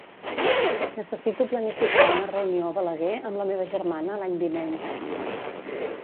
Necessito planificar una reunió a Balaguer amb la meva germana l'any vinent.